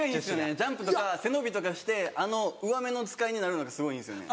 ジャンプとか背伸びとかしてあの上目の遣いになるのがすごいいいんですよね。